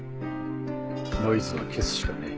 ノイズは消すしかねえ。